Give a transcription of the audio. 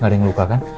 gak ada yang luka kan